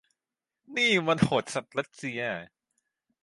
นี่มันโหดสัสรัสเซีย